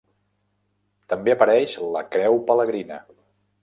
També apareix la Creu pelegrina.